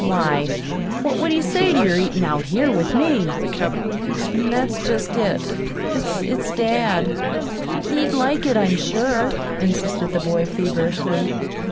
Why, what would he say to your eatin' out here with me?" "That's just it. It's dad. He'd like it, I'm sure," insisted the boy feverishly.